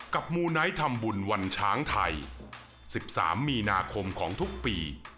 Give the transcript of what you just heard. มูไนท์ทำบุญวันช้างไทย๑๓มีนาคมของทุกปี